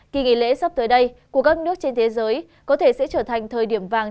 kỳ nghỉ lễ sắp tới đây của các nước trên thế giới có thể sẽ trở thành thời điểm vàng